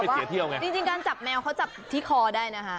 จริงจับแมวจับที่คอได้นะคะ